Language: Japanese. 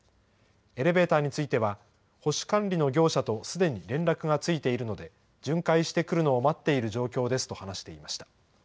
エレベーターについては、保守管理の業者とすでに連絡がついているので、巡回してくるのを待っている状況ですと、話していました。